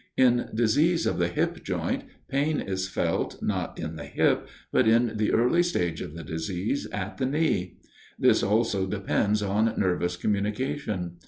In disease of the hip joint pain is felt, not in the hip, but, in the early stage of the disease, at the knee. This also depends on nervous communication.